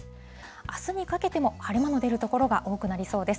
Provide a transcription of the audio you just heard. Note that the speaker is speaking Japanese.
あすにかけても晴れ間の出る所が多くなりそうです。